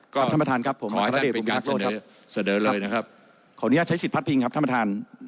ครับท่านประทานครับขออนุญาตใช้สิทธิ์พัดพิงครับท่านประทาน